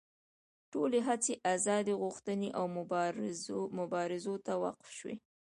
ټولې هڅې ازادي غوښتنې او مبارزو ته وقف شوې.